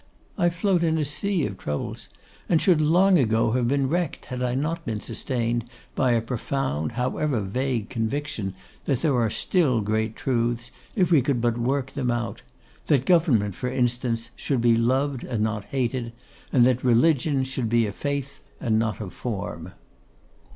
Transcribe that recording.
I float in a sea of troubles, and should long ago have been wrecked had I not been sustained by a profound, however vague, conviction, that there are still great truths, if we could but work them out; that Government, for instance, should be loved and not hated, and that Religion should be a faith and not a form.